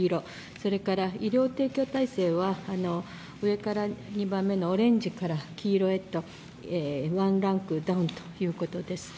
それから医療提供体制は上から２番目のオレンジから黄色へとワンランクダウンということです。